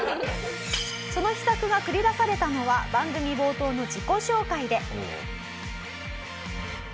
その秘策が繰り出されたのは番組冒頭の自己紹介で。